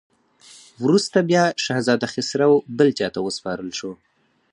وروسته بیا شهزاده خسرو بل چا ته وسپارل شو.